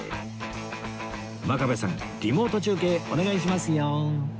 真壁さんリモート中継お願いしますよ